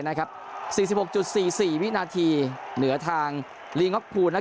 นะครับสี่สิบหกจุดสี่สี่วินาทีเหนือทางลีงล็อคพูนและ